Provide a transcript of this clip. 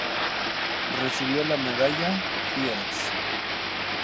Recibió la Medalla Fields.